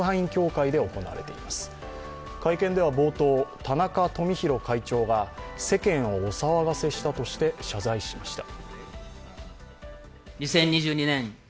会見では冒頭、田中富広会長が世間をお騒がせしたとした謝罪しました。